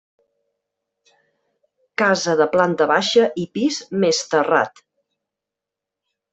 Casa de planta baixa i pis més terrat.